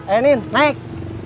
eh nen naik